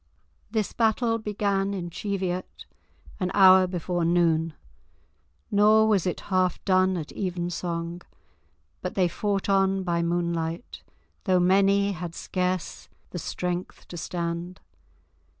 This battle began in Cheviot, an hour before noon, nor was it half done at evensong, but they fought on by moonlight though many had scarce the strength to stand.